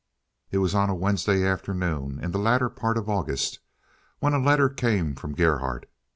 It was on a Wednesday afternoon, in the latter part of August, when a letter came from Gerhardt.